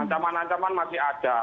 ancaman ancaman masih ada